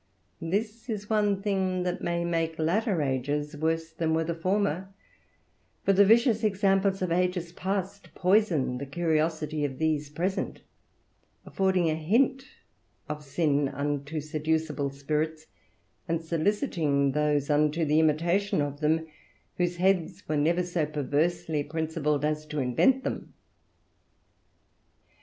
And this is one thing that may make latter ages worse than were the former; for the vicious examples of ages past poison the curiosity of these present, affording a hint of sin unto seducible spirits, and soliciting those unto the imitation of them, whose heads were never so perversely principled as to invent them.